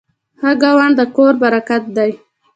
ښه ګاونډ د کور برکت دی.